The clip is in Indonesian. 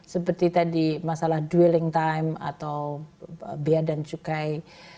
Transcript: seperti tadi masalah dwelling time atau biaya dan cukai